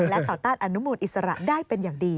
และต่อต้านอนุมูลอิสระได้เป็นอย่างดี